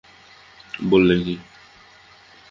বললে, কী!